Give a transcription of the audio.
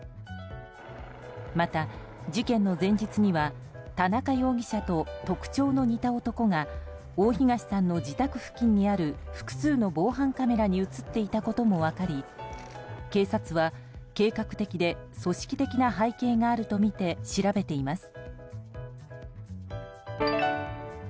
また、事件の前日には田中容疑者と特徴の似た男が大東さんの自宅付近にある複数の防犯カメラに映っていたことも分かり警察は計画的で組織的な背景があるとみて調べています。